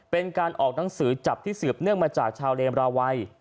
เป็นการออกหนังสือจับที่สืบเนื่องมาจากชาวเลมราวัย